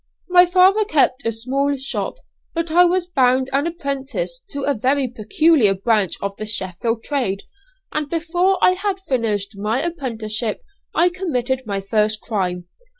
My father kept a small shop, but I was bound an apprentice to a very peculiar branch of the Sheffield trade; and before I had finished my apprenticeship I committed my first crime.